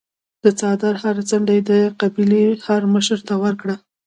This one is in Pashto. د څادر هره څنډه یې د قبیلې هرمشر ته ورکړه.